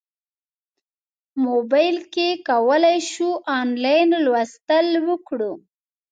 موبایل کې کولی شو انلاین لوستل وکړو.